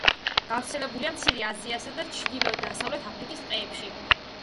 გავრცელებულია მცირე აზიისა და ჩრდილოეთ-დასავლეთ აფრიკის ტყეებში.